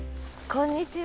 こんにちは。